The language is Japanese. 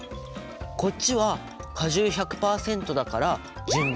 こっちは果汁１００％だから純物質。